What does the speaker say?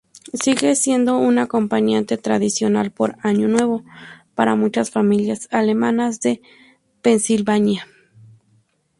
Sigue siendo un acompañante tradicional por Año Nuevo para muchas familias alemanas de Pensilvania.